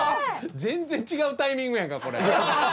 全然違うタイミングやんかこれ。